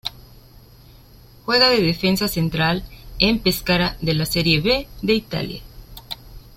Juega de defensa central en Pescara de la Serie B de Italia.